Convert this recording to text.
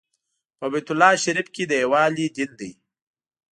په بیت الله شریف کې د یووالي دین دی.